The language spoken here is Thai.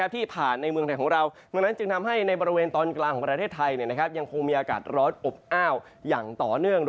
ที่ผ่านในเมืองไทยของเราดังนั้นจึงทำให้ในบริเวณตอนกลางของประเทศไทยยังคงมีอากาศร้อนอบอ้าวอย่างต่อเนื่อง